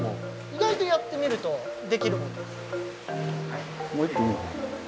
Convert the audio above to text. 意外とやってみるとできるもんです。